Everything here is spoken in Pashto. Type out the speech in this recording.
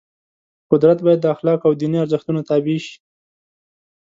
قدرت باید د اخلاقو او دیني ارزښتونو تابع شي.